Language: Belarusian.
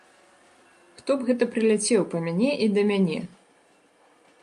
Хто б гэта прыляцеў па мяне і да мяне?